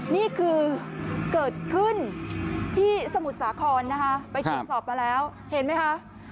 นี่คือเกิดขึ้นที่สมุทรสาครนะคะไปตรวจสอบมาแล้วเห็นไหมคะ